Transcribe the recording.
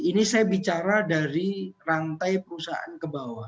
ini saya bicara dari rantai perusahaan ke bawah